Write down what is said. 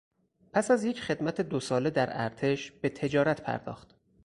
پس از یک خدمت دو ساله در ارتش به تجارت پرداخت.